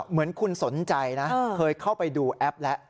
เหมือนคุณสนใจนะเคยเข้าไปดูแอปแล้ว